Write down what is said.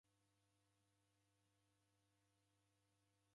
Kwaw'enienja hao